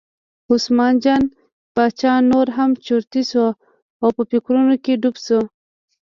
عثمان جان باچا نور هم چرتي شو او په فکرونو کې ډوب شو.